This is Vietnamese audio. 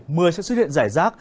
mưa sẽ xuất hiện rải rác